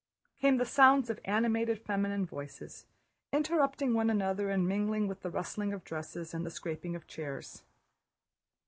came the sounds of animated feminine voices, interrupting one another and mingling with the rustling of dresses and the scraping of chairs.